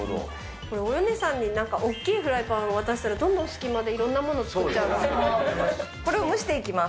およねさんになんか大きいフライパンを渡したら、どんどん隙間でいろんなもの作っちゃいます